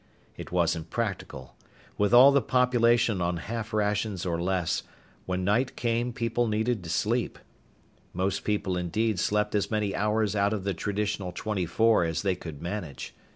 It wasn't practical. With all the population on half rations or less, when night came people needed to sleep. Most people, indeed, slept as many hours out of the traditional twenty four as they could manage.